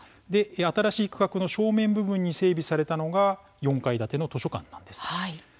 新しい区画の正面に整備されたのが４階建ての図書館です。